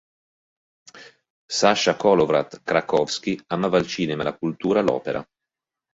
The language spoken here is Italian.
Sascha Kolowrat-Krakowsky amava il cinema, la cultura, l'opera.